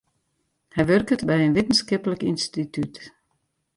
Hy wurket by in wittenskiplik ynstitút.